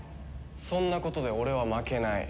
そんなことで俺は負けない。